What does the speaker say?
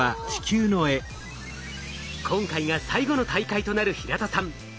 今回が最後の大会となる平田さん。